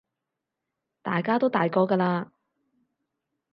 大家都大個㗎喇